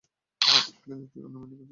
কিন্তু তুই অন্য মেয়েদের পেছনে পড়েছিলি।